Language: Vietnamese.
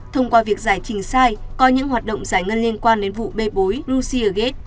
thông qua việc giải trình sai coi những hoạt động giải ngân liên quan đến vụ bê bối russiagate